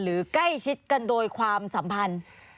หรือใกล้ชิดกันโดยความสัมพันธ์